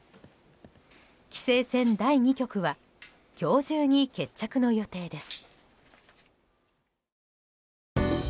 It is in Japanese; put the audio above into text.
棋聖戦第２局は今日中に決着の予定です。